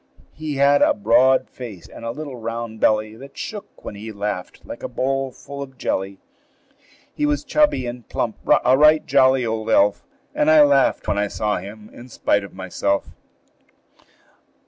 He had a broad face and a little round belly That shook, when he laughed, like a bowl full of jelly. He was chubby and plump a right jolly old elf; And I laughed, when I saw him, in spite of myself.